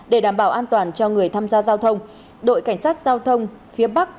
để đảm bảo an toàn cho người tham gia giao thông đội cảnh sát giao thông phía bắc